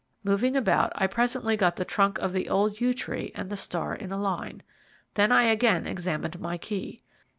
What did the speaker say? Moving about, I presently got the trunk of the old yew tree and the star in a line. Then I again examined my key.